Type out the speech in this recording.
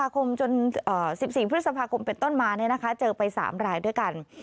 ๑๔พฤษภาคมเป็นต้นมาเจอไป๓รายด้วยกัน